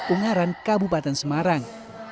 ungaran kabupaten semarang